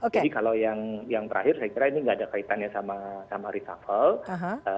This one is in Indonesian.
jadi kalau yang terakhir saya kira ini gak ada kaitannya sama reshuffle